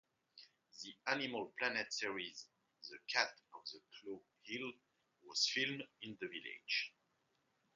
The Animal Planet series "The Cats of Claw Hill" was filmed in the village.